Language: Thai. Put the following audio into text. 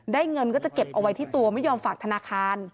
เงินก็จะเก็บเอาไว้ที่ตัวไม่ยอมฝากธนาคาร